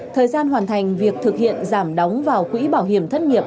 thời gian hoàn thành việc thực hiện giảm đóng vào quỹ bảo hiểm thất nghiệp